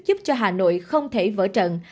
giúp cho hà nội không thể vỡ trận